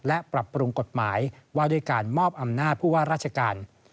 และปรับปรุงกฎหมายว่าด้วยการมอบอำนาจผู้ว่าราชการ